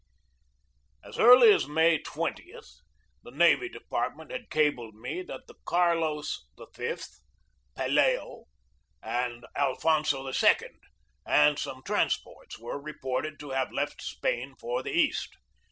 As early as May 20 the navy department had cabled me that the Carlos V, Pelayo, and Alfonso II and some transports were reported to have left Spain for the East.